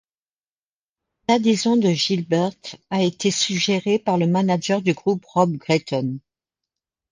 L'adhésion de Gilbert a été suggérée par le manager du groupe Rob Gretton.